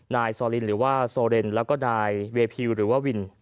ซอลินหรือว่าโซเรนแล้วก็นายเวพิวหรือว่าวิน